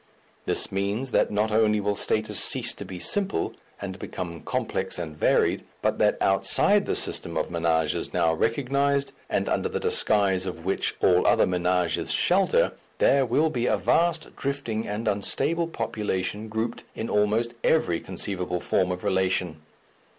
This means that not only will status cease to be simple and become complex and varied, but that outside the system of ménages now recognized, and under the disguise of which all other ménages shelter, there will be a vast drifting and unstable population grouped in almost every conceivable form of relation.